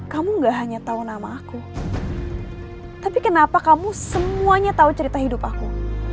kamu gak hanya tahu nama aku tapi kenapa kamu semuanya tahu cerita hidup aku